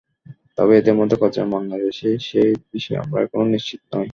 তবে এদের মধ্যে কতজন বাংলাদেশি, সেই বিষয়ে আমরা এখনো নিশ্চিত নই।